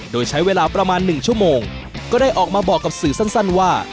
โดยใช้เวลาประมาณ๑ชั่วโมงก็ได้ออกมาบอกกับสื่อสั้นว่า